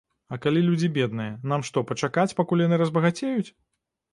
А калі людзі бедныя, нам што, пачакаць, пакуль яны разбагацеюць?